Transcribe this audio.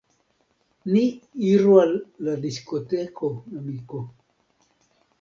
Ni iru al la diskoteko, amiko!